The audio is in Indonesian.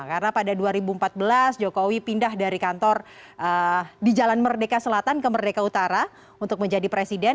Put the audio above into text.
karena pada dua ribu empat belas jokowi pindah dari kantor di jalan merdeka selatan ke merdeka utara untuk menjadi presiden